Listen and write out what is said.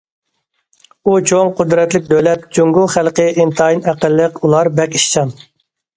ئۇ چوڭ، قۇدرەتلىك دۆلەت، جۇڭگو خەلقى ئىنتايىن ئەقىللىك، ئۇلار بەك ئىشچان.